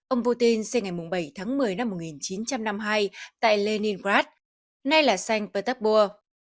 ông putin sinh ngày bảy tháng một mươi năm một nghìn chín trăm năm mươi hai tại leningrad nay là sank perthersburg